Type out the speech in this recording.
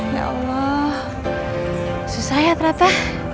ya allah susah ya kenapa